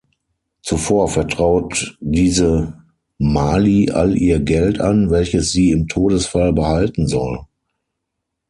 Zuvor vertraut diese Mali all ihr Geld an, welches sie im Todesfall behalten soll.